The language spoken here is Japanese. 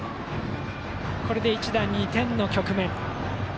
これで一打２点の局面。